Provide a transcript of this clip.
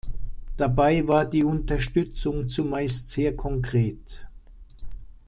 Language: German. Dabei war die Unterstützung zumeist sehr konkret.